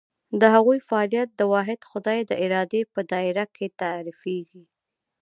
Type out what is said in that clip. د هغوی فعالیت د واحد خدای د ارادې په دایره کې تعریفېږي.